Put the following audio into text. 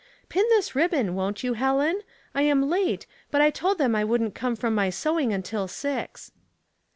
Pin this ribbon, won't yo j, Helen ? I am late, but I told them I couldn't come from my sewing until six."